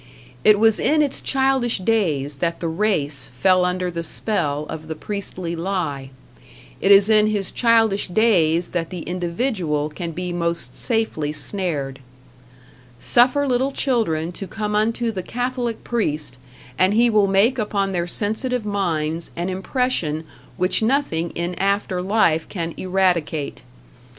It was in its childish days that the race fell under the spell of the Priestly Lie; it is in his childish days that the individual can be most safely snared. Suffer little children to come unto the Catholic priest, and he will make upon their sensitive minds an impression which nothing in after life can eradicate.